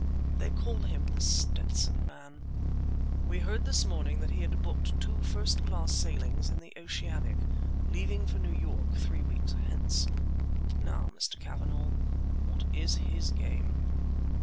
They call him The Stetson Man. We heard this morning that he had booked two first class sailings in the Oceanic, leaving for New York three weeks hence. Now, Mr. Cavanagh, what is his game?"